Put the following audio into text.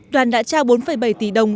đoàn đã trao bốn bảy tỷ đồng